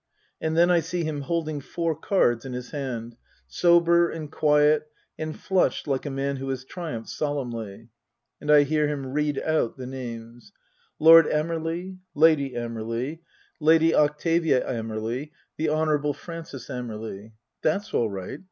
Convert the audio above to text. And then I see him holding four cards in his hand, sober and quiet and flushed like a man who has triumphed solemnly. And I hear him read out the names :" Lord Amerley, Lady Amerley, Lady 220 Tasker Jevons Octavia Amerley, the Honourable Frances Amerley. That's all right.